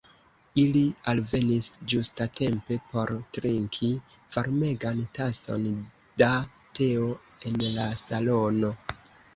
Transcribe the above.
Ili alvenis ĝustatempe por trinki varmegan tason da teo en la salono.